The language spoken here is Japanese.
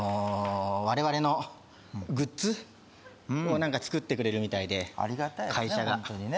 我々のグッズを作ってくれるみたいでありがたいですね